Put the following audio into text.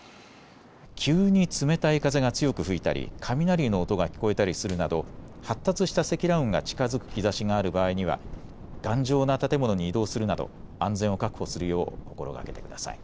急に冷たい風が強く吹いたり雷の音が聞こえたりするなど発達した積乱雲が近づく兆しがある場合には頑丈な建物に移動するなど安全を確保するよう心がけてください。